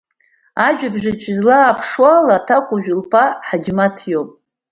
Ажәабжь аҿы излааԥшуала, аҭакәажә лԥа Ҳаџьмаҭ иоуп.